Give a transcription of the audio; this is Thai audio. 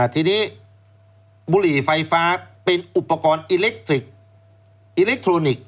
ทีนี้บุหรี่ไฟฟ้าเป็นอุปกรณ์อิเล็กตริค